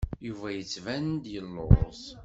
Yuba yettban-d yelluẓ.